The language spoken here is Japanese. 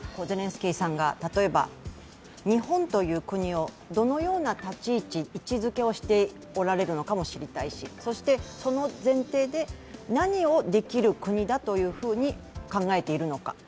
ゼレンスキーさんが例えば日本という国をどのような立ち位置、位置づけをしておられるのかも知りたいしそして、その前提で何をできる国だというふうに考えているのか。